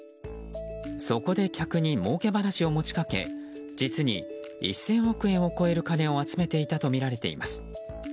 そこで客にもうけ話を持ち掛け実に１０００億円を超える金を集めていたとみられています。